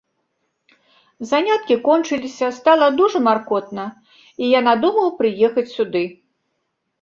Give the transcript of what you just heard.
Заняткі кончыліся, стала дужа маркотна, і я надумаў прыехаць сюды.